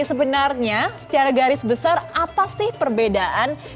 sebenarnya secara garis besar apa sih perbedaan yang benar benar terasa ketika di dunia ini ada ini mbak